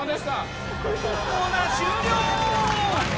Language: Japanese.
コーナー終了。